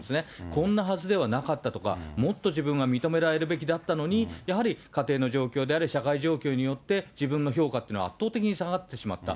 こんなはずではなかったとか、もっと自分は認められるべきだったのに、やはり家庭の状況であれ、社会状況によって、自分の評価というのは圧倒的に下がってしまった。